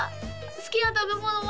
好きな食べ物は？